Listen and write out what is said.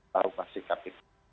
baru pas sikap itu